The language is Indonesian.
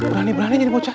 wah berani berani jadi bocah